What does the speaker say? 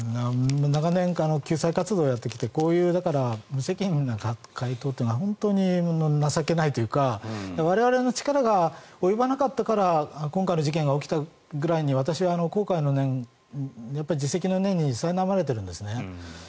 長年救済活動をやってきてこういう無責任な回答というのは本当に情けないというか我々の力が及ばなかったから今回の事件が起きたくらいに私は後悔の念、自責の念にさいなまれているんですね。